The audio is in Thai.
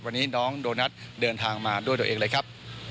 วันนี้น้องโดนัทเดินทางมาด้วยตัวเองเลยครับ